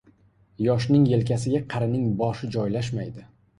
• Yoshning yelkasiga qarining boshi joylashmaydi.